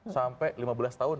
sampai lima belas tahun